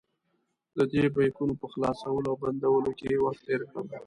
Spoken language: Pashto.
ددې بیکونو په خلاصولو او بندولو کې وخت تېر کړم.